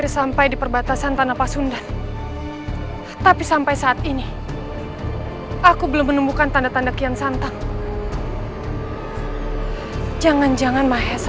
sampai jumpa di video selanjutnya